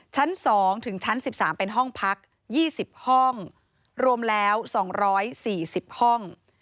ชั้น๒ถึงชั้น๑๓เป็นห้องพัก๒๐ห้องรวมแล้ว๒๔๐ห้อง